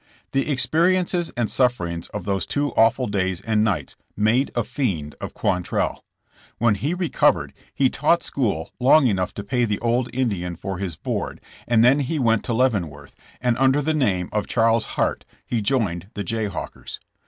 The experiences and sufferings of those two awful days and nights made a fiend of Quantrell. When he recovered he taught school long enough to pay the old Indian for his board and then he went to Leavenworth, and under the name of Charles Hart, he joined the Jayhawkers.